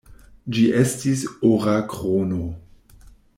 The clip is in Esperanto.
Ĝi estis ora krono.